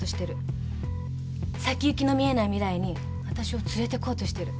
先行きの見えない未来にあたしを連れてこうとしてる。